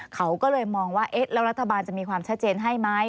เขาก็เลยมองว่าเอ๊ะแล้วรัฐบาลจะมีความชัดเจนให้ไหม